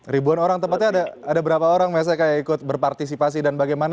ribuan orang tempatnya ada berapa orang mas eka yang ikut berpartisipasi dan bagaimana